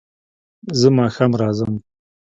زه ماښام راځم